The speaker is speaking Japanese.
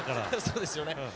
そうですよね。